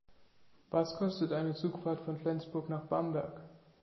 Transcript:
Was kostet eine Zugfahrt von Flensburg nach Bamberg?